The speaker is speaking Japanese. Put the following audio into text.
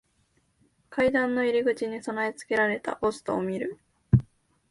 階段の入り口に備え付けられたポストを見る。